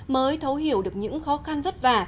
mới thấu hiểu được những khó khăn vất vả